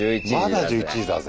まだ１１時だぜ。